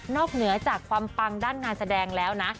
เหนือจากความปังด้านงานแสดงแล้วนะ